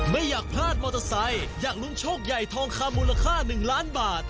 ไม่อยากพลาดมอเตอร์ไซค์อยากลุ้นโชคใหญ่ทองคำมูลค่า๑ล้านบาท